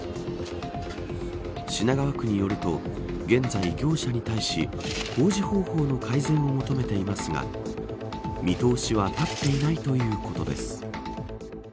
品川区によると現在、業者に対し工事方法の改善を求めていますが見通しは立っていないということです。